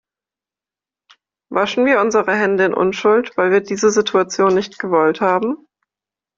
Waschen wir unsere Hände in Unschuld, weil wir diese Situation nicht gewollt haben?